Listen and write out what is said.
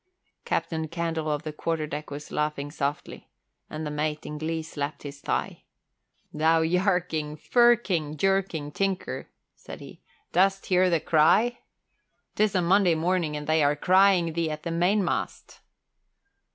Captain Candle on the quarter deck was laughing softly and the mate in glee slapped his thigh. "Thou yerking, firking, jerking tinker," said he, "dost hear the cry? 'Tis a Monday morning and they are crying thee at the mainmast."